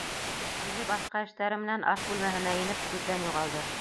Үҙе башҡа эштәре менән аш бүлмәһенә инеп күҙҙән юғалды.